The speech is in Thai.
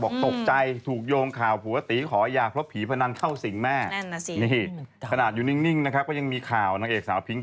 บอกตกใจถูกโยงข่าวผัวตีขอยาเพราะผีพนันเข้าสิงแม่